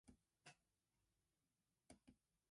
Di Pietro has denied wrongdoing.